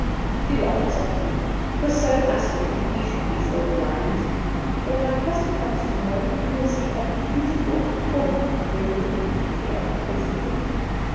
She laughed softly. It was so nice to think he should be so blind. "When my cousin comes tomorrow you will see a beautiful woman, Gregory," she added presently.